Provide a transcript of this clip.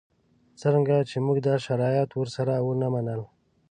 څرنګه چې موږ دا شرایط ورسره ونه منل.